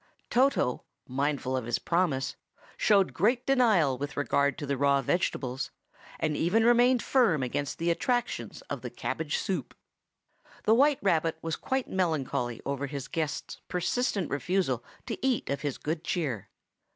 Toto, mindful of his promise, showed great self denial with regard to the raw vegetables, and even remained firm against the attractions of the cabbage soup. The white rabbit was quite melancholy over his guest's persistent refusal to eat of his good cheer.